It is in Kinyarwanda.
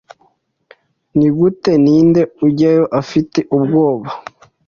Nigute ninde ujyayo afite ubwoba